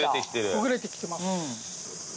ほぐれてきてます。